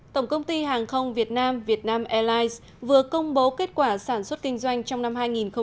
tổng công ty hàng không việt nam vietnam airlines vừa công bố kết quả sản xuất kinh doanh trong năm hai nghìn hai mươi